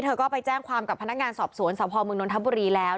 เธอก็ไปแจ้งความกับพนักงานสอบสวนสพมนนทบุรีแล้ว